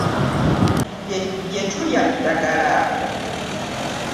Bye tulya ddagala.